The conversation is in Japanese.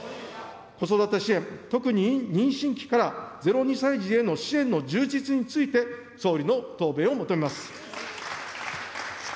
子育て支援、特に妊娠期から０、２歳児への支援の充実について、総理の答弁を求めます。